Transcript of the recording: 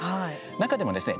中でもですね